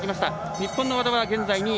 日本の和田は現在２位。